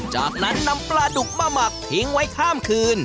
จากนั้นนำปลาดุกมาหมักทิ้งไว้ข้ามคืน